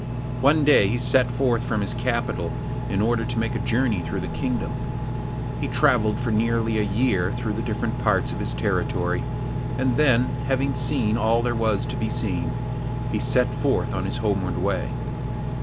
One day he set forth from his capital, in order to make a journey through his kingdom. He travelled for nearly a year through the different parts of his territory, and then, having seen all there was to be seen, he set forth on his homeward way.